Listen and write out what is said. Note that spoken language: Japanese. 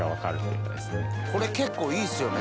これ結構いいっすよね。